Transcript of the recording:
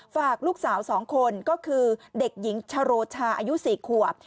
ฝากลูกสาว๒คนก็คือเด็กหญิงชโรชาอายุ๔ขวบ